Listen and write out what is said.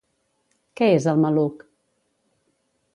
Què és el maluc?